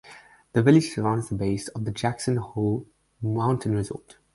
The village surrounds the base of the Jackson Hole Mountain Resort.